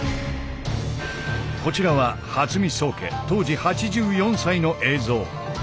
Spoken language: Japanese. こちらは初見宗家当時８４歳の映像。